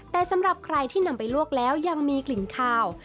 แต่สำหรับใครที่นำไปลวกแล้วยังมีกลิ่นคาว